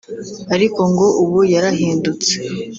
ariko ngo ubu yarahindutse